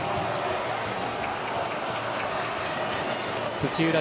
土浦